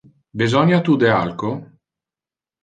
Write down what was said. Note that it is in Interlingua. Besonia tu de alco?